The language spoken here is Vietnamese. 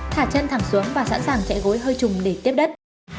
thả chân thẳng xuống và sẵn sàng chạy gối hơi trùng để tiếp đất